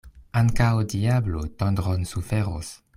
Ankaŭ diablo tondron suferos.